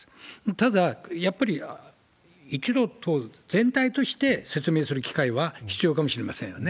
ただ、やっぱり一度、全体として説明する機会は必要かもしれませんよね。